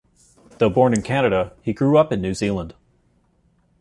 Though born in Canada, he grew up in New Zealand.